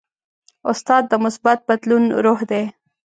استاد د مثبت بدلون روح دی.